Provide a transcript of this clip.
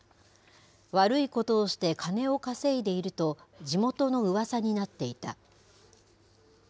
悪いことをして金を稼いでいると、地元のうわさになっていた。